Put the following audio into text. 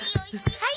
はい。